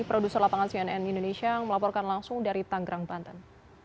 produser lapangan cnn indonesia yang melaporkan langsung dari tanggerang banten